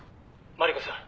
マリコさん